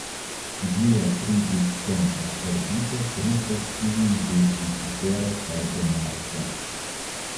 Ĝia tre discentra orbito krucas tiujn de Jupitero kaj de Marso.